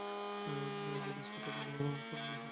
বিস্মিত হয়ে কুমু খানিকক্ষণ চুপ করে বসে রইল।